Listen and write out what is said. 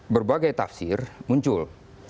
berbagai tafsir muncul